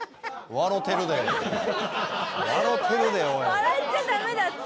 笑っちゃだめだって。